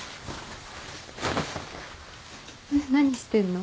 何してんの？